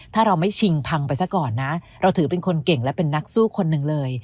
ถ้าเราไม่ชิงพังไปซะก่อนนะเราถือเป็นคนเก่งและเป็นนักสู้คนหนึ่งเลย